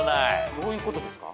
どういうことですか？